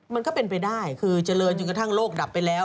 มันก็เป็นไปได้คือเจริญจนกระทั่งโลกดับไปแล้ว